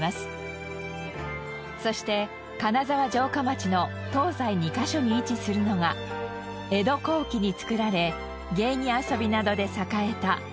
そして金沢城下町の東西２カ所に位置するのが江戸後期につくられ芸妓遊びなどで栄えた茶屋町。